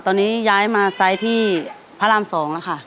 ตอนนี้ย้ายมาไซส์ที่พระราม๒แล้วค่ะ